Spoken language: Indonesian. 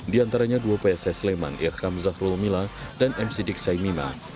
di antaranya dua pss leman irkam zahrul mila dan mc diksaimina